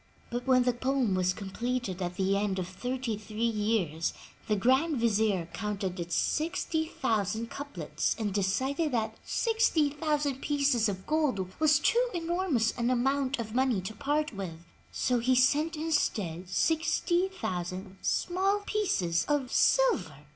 But when the poem was completed at the end of thirty three years, the Grand Vizier counted its 60,000 couplets and decided that 60,000 pieces of gold was too enormous an amoimt of money to part with, so he sent instead 60,000 small pieces of silver.